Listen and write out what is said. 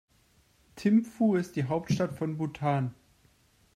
Thimphu ist die Hauptstadt von Bhutan.